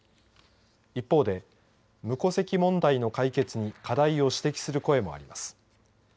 一方で、無戸籍問題の解決に課題を指摘する声もあります。